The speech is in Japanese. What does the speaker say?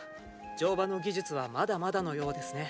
乗馬の技術はまだまだのようですね。